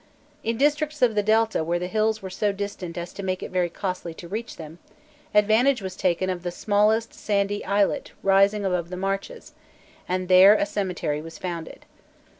In districts of the Delta where the hills were so distant as to make it very costly to reach them, advantage was taken of the smallest sandy islet rising above the marshes, and there a cemetery was founded.